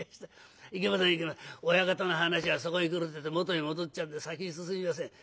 いけません親方の話はそこへ来るってえと元へ戻っちゃうんで先に進みません。